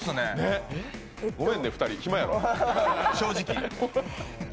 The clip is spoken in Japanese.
ごめんね、２人、暇やろ。